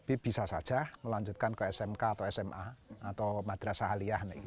tapi bisa saja melanjutkan ke smk atau sma atau madrasah aliyah